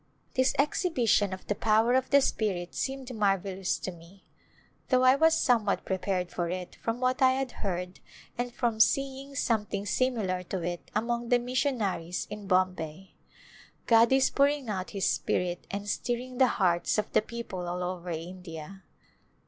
This exhibition of the power of the Spirit seemed marvellous to me though I was somewhat prepared for it from what I had heard and from seeing some thing similar to it among the missionaries in Bombay. God is pouring out His Spirit and stirring the hearts of the people all over India.